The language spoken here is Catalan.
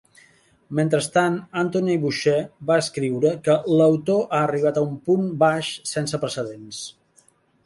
Mentrestant, Anthony Boucher va escriure que "l'autor ha arribat a un punt baix sense precedents".